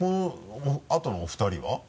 あとのお二人は？